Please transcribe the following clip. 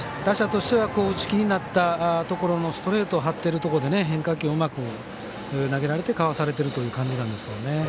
打者としては打ち気になったところのストレートを張っているところで変化球をうまく投げられてかわされている感じですね。